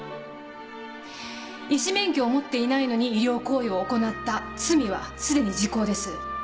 医師免許を持っていないのに医療行為を行った罪はすでに時効です。